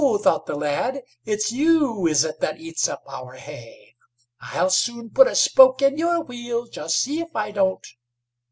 thought the lad; "it's you, is it, that eats up our hay? I'll soon put a spoke in your wheel, just see if I don't."